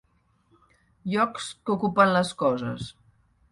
Llocs que ocupen les coses.